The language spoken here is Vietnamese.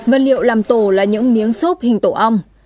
vật liệu làm tổ là những miếng xốp hình tổ ong